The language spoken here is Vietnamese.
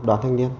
đoàn thanh niên